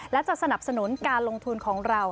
และจะสนับสนุนการลงทุนของเรา